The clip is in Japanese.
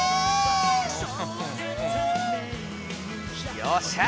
よっしゃ！